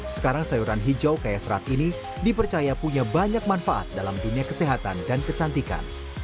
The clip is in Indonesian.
sekarang sayuran hijau kayak serat ini dipercaya punya banyak manfaat dalam dunia kesehatan dan kecantikan